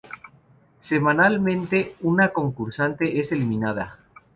Semanalmente, una concursante es eliminada.